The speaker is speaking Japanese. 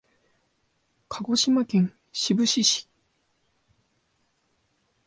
鹿児島県志布志市